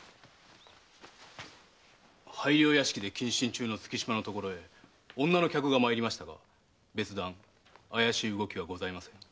拝領屋敷で謹慎中の月島の所へ女の客が参りましたが別段怪しい動きはございません。